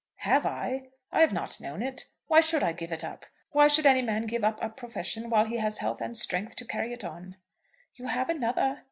"Have I? I have not known it. Why should I give it up? Why should any man give up a profession while he has health and strength to carry it on?" "You have another."